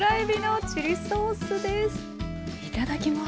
いただきます。